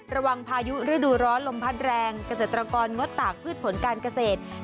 พายุฤดูร้อนลมพัดแรงเกษตรกรงดตากพืชผลการเกษตร